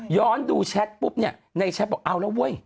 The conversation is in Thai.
ย้อนดูแชทปุ๊ปในแชทบอกเอาละเว้ย